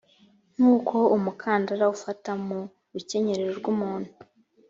nk uko umukandara ufata mu rukenyerero rw umuntu